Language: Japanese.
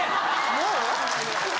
もう？